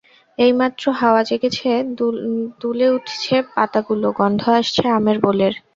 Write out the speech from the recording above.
এইমাত্র হাওয়া জেগেছে, দুলে উঠছে পাতাগুলো, গন্ধ আসছে আমের বোলের।